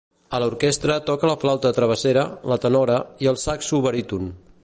A l'orquestra toca la flauta travessera, la tenora i el saxo baríton.